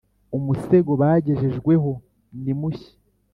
umusego bagejejweho nimushya,